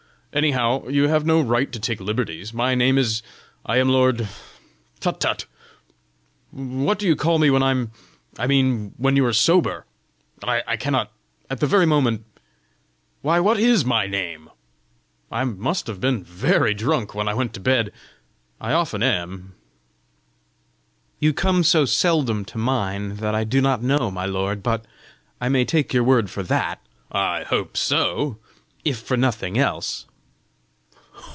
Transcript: Anyhow, you have no right to take liberties! My name is I am lord tut, tut! What do you call me when I'm I mean when you are sober? I cannot at the moment, Why, what IS my name? I must have been VERY drunk when I went to bed! I often am!" "You come so seldom to mine, that I do not know, my lord; but I may take your word for THAT!" "I hope so!" " if for nothing else!"